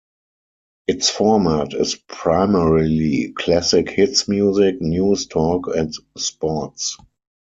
Its format is primarily classic hits music, news, talk and sports.